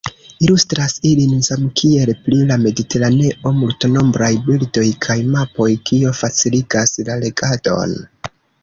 Ilustras ilin, samkiel pri "La Mediteraneo", multnombraj bildoj kaj mapoj, kio faciligas la legadon.